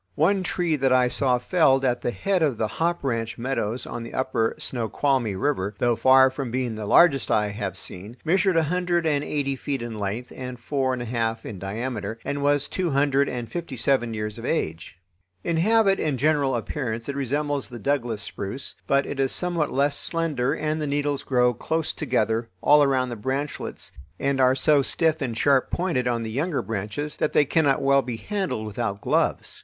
One tree that I saw felled at the head of the Hop Ranch meadows on the upper Snoqualmie River, though far from being the largest I have seen, measured a hundred and eighty feet in length and four and a half in diameter, and was two hundred and fifty seven years of age. In habit and general appearance it resembles the Douglas spruce, but it is somewhat less slender and the needles grow close together all around the branchlets and are so stiff and sharp pointed on the younger branches that they cannot well be handled without gloves.